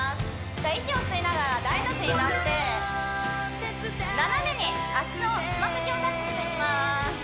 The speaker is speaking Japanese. じゃあ息を吸いながら大の字になって斜めに足の爪先をタッチしていきます